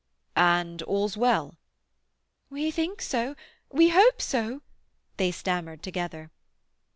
"And all's well?" "We think so—we hope so," they stammered together.